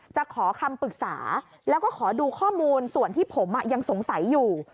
จะขอคำปรึกษาแล้วก็ขอดูข้อมูลส่วนที่ผมยังสงสัยอยู่